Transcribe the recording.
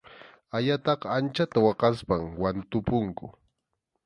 Ayataqa anchata waqaspam wantupunku.